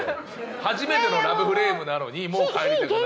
初めてのラブフレームなのにもう「帰りたくない」は。